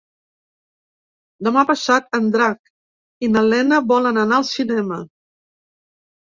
Demà passat en Drac i na Lena volen anar al cinema.